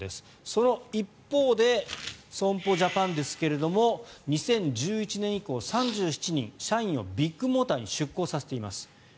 その一方で、損保ジャパンですが２０１１年以降３７人、社員をビッグモーターに出向させています。